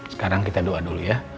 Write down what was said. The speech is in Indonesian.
sekarang kita doa dulu ya